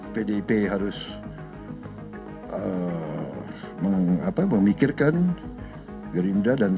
pdip harus memikirkan gerindra